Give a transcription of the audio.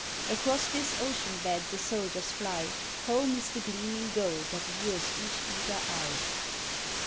Across this ocean bed the soldiers fly Home is the gleaming goal that lures each eager eye.